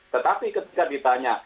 tetapi ketika ditanya